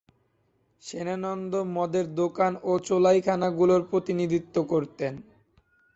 শেনান্দোহ মদের দোকান ও চোলাইখানাগুলোর প্রতিনিধিত্ব করতেন।